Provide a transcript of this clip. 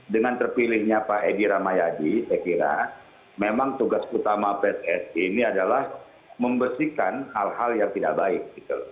dengan terpilihnya pak edi ramayadi saya kira memang tugas utama pssi ini adalah membersihkan hal hal yang tidak baik